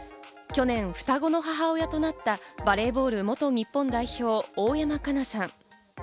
去年、双子の母親となったバレーボール元日本代表・大山加奈さん。